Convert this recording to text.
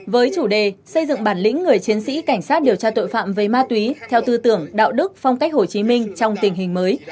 với chủ đề xây dựng bản lĩnh người chiến sĩ cảnh sát điều tra tội phạm về ma túy theo tư tưởng đạo đức phong cách hồ chí minh trong tình hình mới